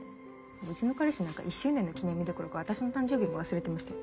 うちの彼氏なんか１周年の記念日どころか私の誕生日も忘れてましたよ。